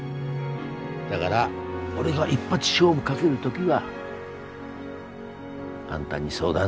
だがら俺が一発勝負かける時はあんたに相談する。